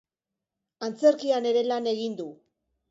Antzerkian ere lan egin du.